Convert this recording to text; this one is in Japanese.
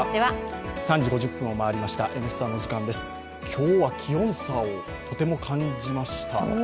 今日は気温差をとても感じました。